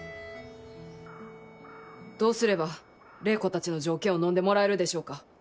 どうすれば礼子たちの条件をのんでもらえるでしょうか。